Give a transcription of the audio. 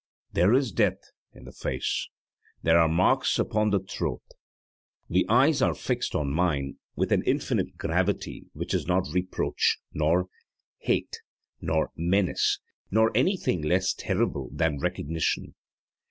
There is death in the face; there are marks upon the throat. The eyes are fixed on mine with an infinite gravity which is not reproach, nor hate, nor menace, nor anything less terrible than recognition.